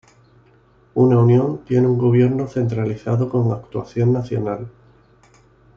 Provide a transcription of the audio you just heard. Una Unión, tiene un gobierno centralizado con actuación nacional.